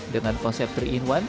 dengan konsep tiga in satu